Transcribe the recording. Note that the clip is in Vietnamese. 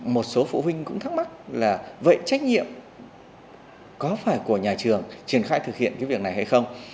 một số phụ huynh cũng thắc mắc là vậy trách nhiệm có phải của nhà trường triển khai thực hiện cái việc này hay không